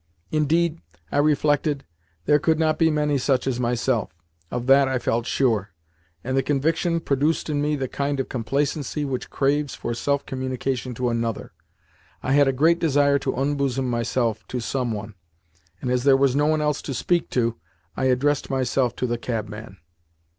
Indeed, I reflected, there could not be many such as myself of that I felt sure, and the conviction produced in me the kind of complacency which craves for self communication to another. I had a great desire to unbosom myself to some one, and as there was no one else to speak to, I addressed myself to the cabman.